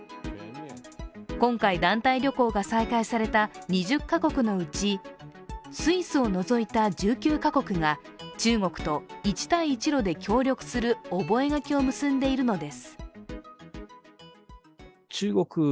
今回、団体旅行が再開された２０か国のうちスイスを除いた１９か国が中国と一帯一路で協力する覚書を結んでいるのです。